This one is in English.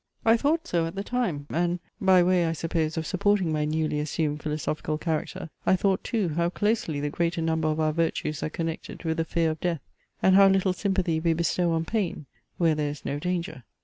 I thought so at the time; and, (by way, I suppose, of supporting my newly assumed philosophical character,) I thought too, how closely the greater number of our virtues are connected with the fear of death, and how little sympathy we bestow on pain, where there is no danger.